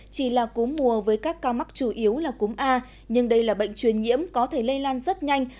chỉ là cúm mùa với các ca mắc chủ yếu là cúm a nhưng đây là bệnh truyền nhiễm có thể lây lan rất nhanh